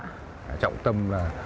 để trọng tâm